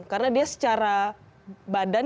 karena dia secara badan